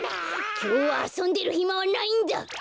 きょうはあそんでるひまはないんだ。